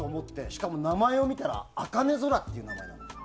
しかも名前を見たらアカネゾラって名前なの。